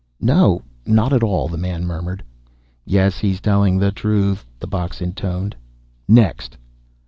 "No, not at all," the man murmured. "Yes, he's telling the truth," the box intoned. "Next!"